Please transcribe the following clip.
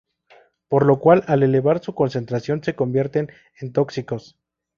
Por lo cual, al elevar su concentración, se convierten en tóxicos.